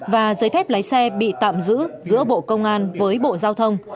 và giấy phép lái xe bị tạm giữ giữa bộ công an với bộ giao thông